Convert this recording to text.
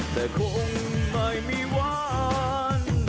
แต่คงไม่มีหวาน